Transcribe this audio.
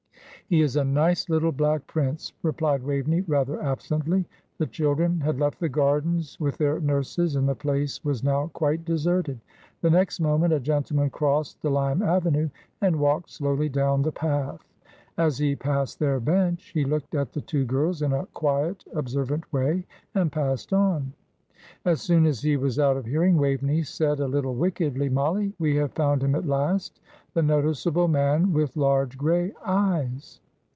"He is a nice little Black Prince," replied Waveney, rather absently. The children had left the gardens with their nurses, and the place was now quite deserted. The next moment a gentleman crossed the lime avenue, and walked slowly down the path. As he passed their bench, he looked at the two girls in a quiet, observant way, and passed on. As soon as he was out of hearing, Waveney said, a little wickedly, "Mollie, we have found him at last, 'the noticeable man, with large grey eyes.'"